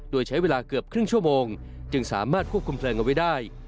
โดยใช้เวลาเกือบครึ่งชั่วโมงจึงสามารถควบคุมเพลิงเอาไว้ได้